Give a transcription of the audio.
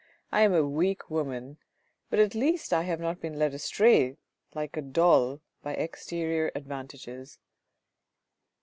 " I am a weak woman, but at least I have not been led astray like a doll by exterior advantages."